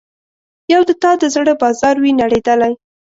یو د تا د زړه بازار وي نړیدلی